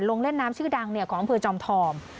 ลงเล่นน้ำชีวิตดังของอำเภอจำธอม